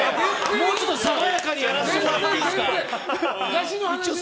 もうちょっと爽やかにやらせてもらっていいですか。